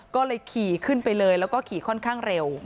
ก็เลยขี่ขึ้นไปเลยแล้วก็ขี่ค่อนข้างเร็ว